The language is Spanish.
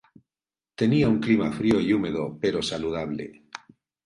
Tenía un clima frío y húmedo pero saludable.